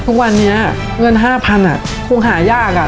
ทุกวันนี้เงิน๕๐๐๐คงหายาก